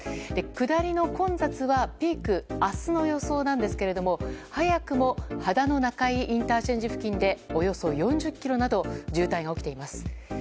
下りの混雑は、ピーク明日の予想なんですけれども早くも秦野中井ＩＣ付近でおよそ４０ｋｍなど渋滞が起きています。